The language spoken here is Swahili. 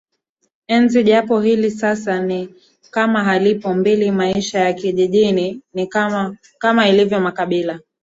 enzi japo hili sasa ni kama halipoMbili Maisha ya kijijini Kama ilivyo makabila